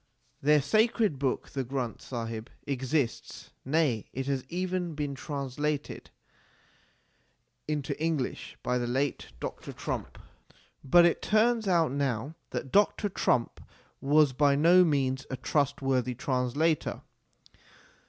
Their sacred book the Granth Sahib exists, nay it has even been translated into English by the late Dr. Trumpp. But it turns out now that Dr. Trumpp was by no means a trustworthy translator.